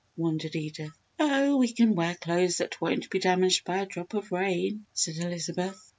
wondered Edith. "Oh, we can wear clothes that won't be damaged by a drop of rain," said Elizabeth.